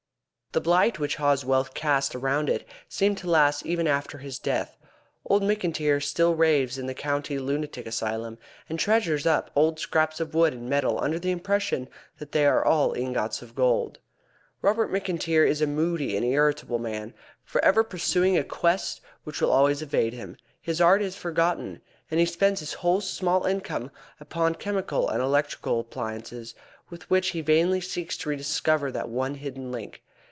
The blight which Haw's wealth cast around it seemed to last even after his death. Old McIntyre still raves in the County Lunatic Asylum, and treasures up old scraps of wood and metal under the impression that they are all ingots of gold. Robert McIntyre is a moody and irritable man, for ever pursuing a quest which will always evade him. His art is forgotten, and he spends his whole small income upon chemical and electrical appliances, with which he vainly seeks to rediscover that one hidden link.